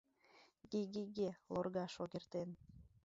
— Ге-ге-ге! — лорга Шогертен.